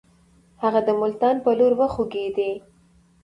هغه د ملتان پر لور وخوځېدی.